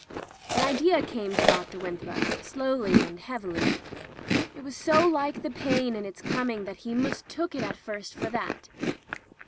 An idea came to Dr. Winthrop slowly and heavily. It was so like the pain in its coming that he mistook it at first for that.